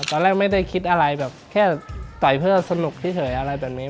ตอนแรกไม่ได้คิดอะไรแบบแค่ต่อยเพื่อสนุกเฉยอะไรแบบนี้